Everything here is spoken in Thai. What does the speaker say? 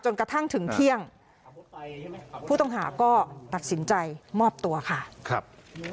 กระทั่งถึงเที่ยงผู้ต้องหาก็ตัดสินใจมอบตัวค่ะครับ